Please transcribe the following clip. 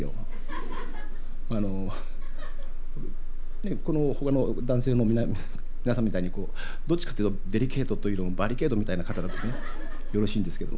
ねえこのほかの男性の皆さんみたいにどっちかっていうとデリケートというよりもバリケードみたいな方だとねよろしいんですけど。